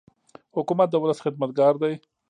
حکومت د ولس خدمتګار دی.